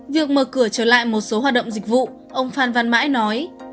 việc mở cửa trở lại một số hoạt động dịch vụ ông phan văn mãi nói